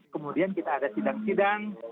kemudian kita ada sidang sidang